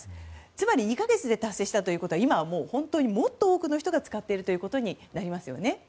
つまり２か月で達成したということは今はもっと多くの人が使っているということになりますね。